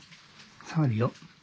触るよ。